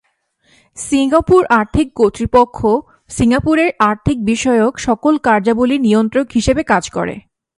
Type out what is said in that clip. Singapore আর্থিক কর্তৃপক্ষ সিঙ্গাপুরের আর্থিক বিষয়ক সকল কার্যাবলীর নিয়ন্ত্রক হিসেবে কাজ করে।